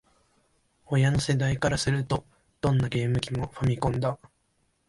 親の世代からすると、どんなゲーム機も「ファミコン」だ